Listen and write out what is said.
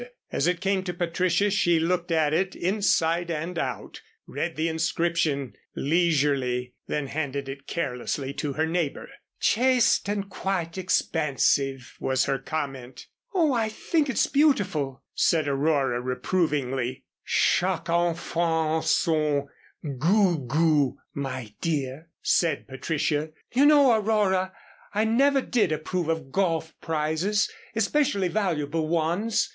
As it came to Patricia she looked at it inside and out, read the inscription leisurely, then handed it carelessly to her neighbor. "Chaste and quite expensive," was her comment. "Oh, I think it's beautiful," said Aurora, reprovingly. "Chaque enfant à son gou gou, my dear," said Patricia. "You know, Aurora, I never did approve of golf prizes especially valuable ones.